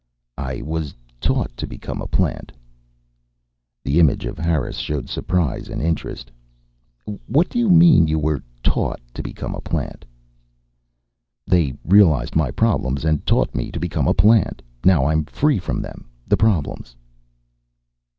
"I was taught to become a plant." The image of Harris showed surprise and interest. "What do you mean, you were taught to become a plant?" "They realized my problems and taught me to become a plant. Now I'm free from them, the problems."